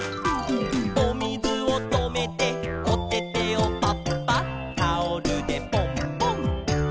「おみずをとめておててをパッパッ」「タオルでポンポン」